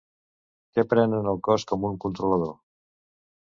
Que prenen el cos com un controlador.